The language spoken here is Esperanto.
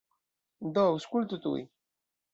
Do, aŭskultu tuj!